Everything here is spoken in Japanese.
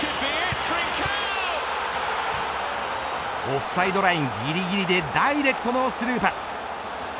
オフサイドラインぎりぎりでダイレクトのスルーパス。